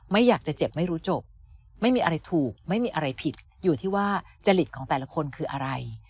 ไม่อยากจะเจ็บไม่รู้จบไม่มีอะไรถูกไม่มีอะไรผิดอยู่ที่ว่าจริตของแต่ละคนคืออะไร